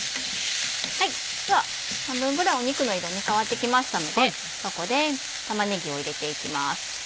では半分ぐらい肉の色ね変わってきましたのでここで玉ねぎを入れていきます。